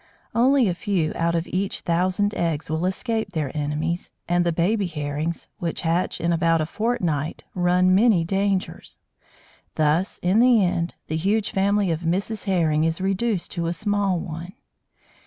Only a few out of each thousand eggs will escape their enemies, and the baby Herrings, which hatch in about a fortnight, run many dangers; thus, in the end, the huge family of Mrs. Herring is reduced to a small one.